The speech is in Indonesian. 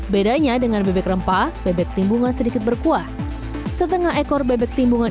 bedanya dengan bebek rempah bebek timbungan sedikit berkuah setengah ekor bebek timbungan